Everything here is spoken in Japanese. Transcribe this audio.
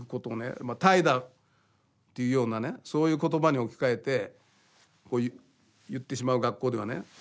「怠惰」っていうようなねそういう言葉に置き換えてこう言ってしまう学校ではね